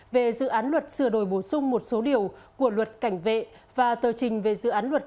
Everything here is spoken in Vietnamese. về dự án luật sửa đổi bổ sung một số điều của luật cảnh vệ và tờ trình về dự án luật